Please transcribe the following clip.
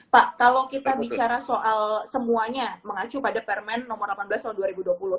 pak kalau kita bicara soal semuanya mengacu pada permen nomor delapan belas tahun dua ribu dua puluh